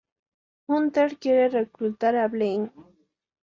Hunter quiere reclutar a Blaine.